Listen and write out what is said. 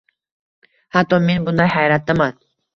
hatto men bundan hayratdaman.